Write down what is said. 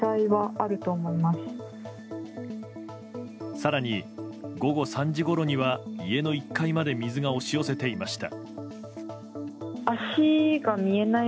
更に、午後３時ごろには家の１階まで水が押し寄せていました。